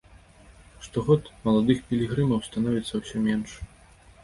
Штогод маладых пілігрымаў становіцца ўсё менш.